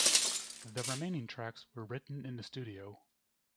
The remaining tracks were written in the studio.